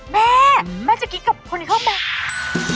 แม่แม่จะกิ๊กกับคนที่เข้ามา